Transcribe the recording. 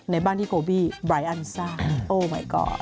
ในบ้านที่โคบี้บรายอันที่สร้างโอ้มายก็อด